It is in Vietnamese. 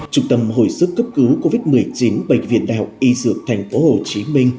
trung tâm hồi sức cấp cứu covid một mươi chín bệnh viện đạo y dược tp hcm